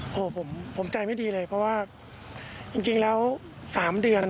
โหผมใจไม่ดีเลยเพราะว่าจริงแล้ว๓เดือน